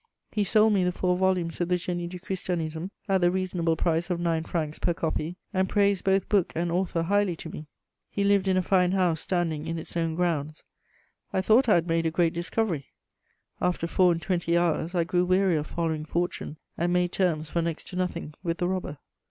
He sold me the four volumes of the Génie du Christianisme at the reasonable price of nine francs per copy, and praised both book and author highly to me. He lived in a fine house standing in its own grounds. I thought I had made a great discovery: after four and twenty hours, I grew weary of following fortune, and made terms for next to nothing with the robber.